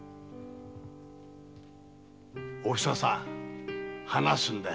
おふささん話すんだよ。